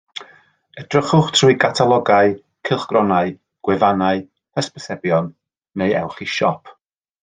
Edrychwch trwy gatalogau, cylchgronau, gwefannau, hysbysebion neu ewch i siop